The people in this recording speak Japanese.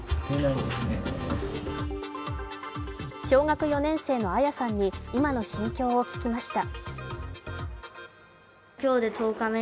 小学４年生の亜弥さんに今の心境を聞きました。